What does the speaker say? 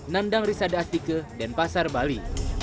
nandang risada astike dan pasar bali